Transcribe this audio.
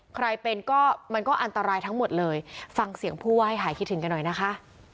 ใครเป็นก็มันก็อันตรายทั้งหมดเลยฟังเสียงผู้ว่าให้หายคิดถึงกันหน่อยนะคะ